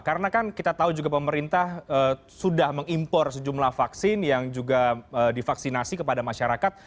karena kan kita tahu juga pemerintah sudah mengimpor sejumlah vaksin yang juga divaksinasi kepada masyarakat